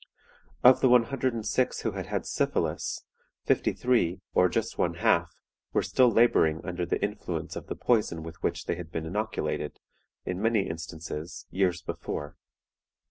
"Of the 106 who had had syphilis, 53, or just one half, were still laboring under the influence of the poison with which they had been inoculated, in many instances, years before.